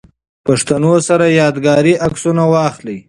پښتنو سره ياد ګاري عکسونه واخلئ